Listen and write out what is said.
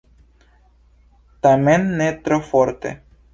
Tamen ne tro forte.